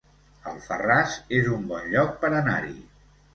Alfarràs es un bon lloc per anar-hi